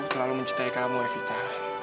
selalu mencintai kamu ya vita